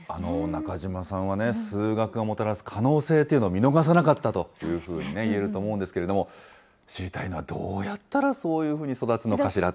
中島さんはね、数学がもたらす可能性というのを見逃さなかったというふうにいえると思うんですけれども、知りたいのは、どうやったらそういうふうに育つのかしらと。